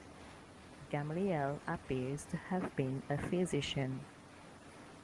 Gamliel appears to have been a physician.